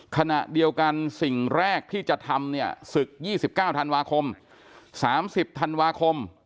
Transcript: ขณะเดียวกันสิ่งแรกที่จะทำเนี้ยศึกยี่สิบเก้าธันวาคมสามสิบธันวาคม